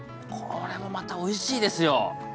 これもまたおいしいですよ。